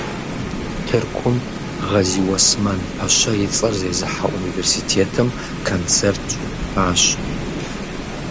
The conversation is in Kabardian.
Тыркум Гъэзиуэсмэн пэщэ и цӀэр зезыхьэ университетым концерт щыттащ.